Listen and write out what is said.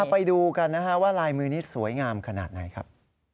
ไปดูกันนะฮะว่าลายมือนี้สวยงามขนาดไหนครับ